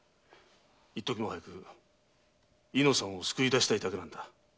一時も早く猪之さんを救い出したいだけなんだ。